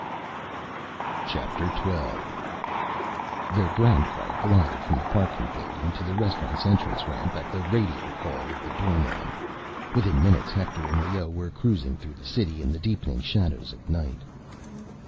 XII Their groundcar glided from the parking building to the restaurant's entrance ramp, at the radio call of the doorman. Within minutes, Hector and Leoh were cruising through the city, in the deepening shadows of night.